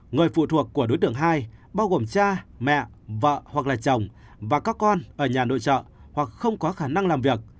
người phụ thuộc của đối tượng hai bao gồm cha mẹ vợ hoặc là chồng và các con ở nhà nội trợ hoặc không có khả năng làm việc